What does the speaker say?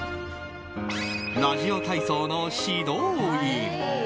ラジオ体操の指導員！